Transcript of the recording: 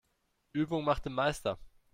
Übung macht den Meister.